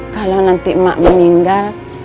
kalau nanti mak meninggal